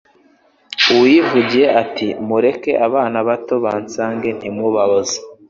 Uwivugiye ati: "Mureke abana bato bansange, ntimubabuze,"